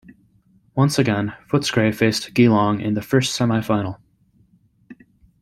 Once again, Footscray faced Geelong in the First-Semi Final.